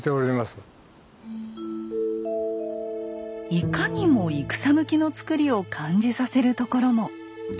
いかにも戦向きの造りを感じさせるところも。